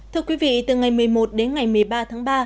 thưa quý vị từ ngày một mươi một đến ngày một mươi ba tháng ba